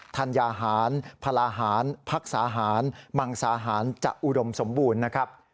ธัญญาหารพลาหารพักษาหารมังสาหารจะอุดมสมบูรณ์นะครับ